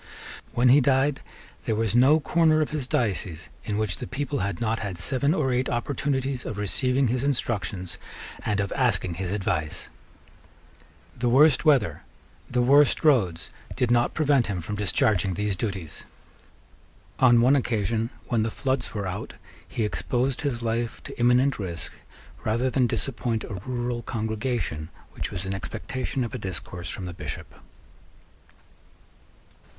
When he died there was no corner of his diocese in which the people had not had seven or eight opportunities of receiving his instructions and of asking his advice. The worst weather, the worst roads, did not prevent him from discharging these duties. On one occasion, when the floods were out, he exposed his life to imminent risk rather than disappoint a rural congregation which was in expectation of a discourse from the Bishop.